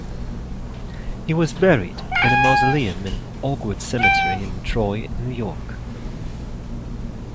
He was buried in a mausoleum in Oakwood Cemetery in Troy, New York.